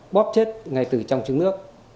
bóp chết ngay từ trong chứng nước